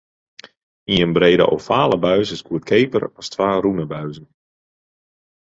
Ien brede ovale buis is goedkeaper as twa rûne buizen.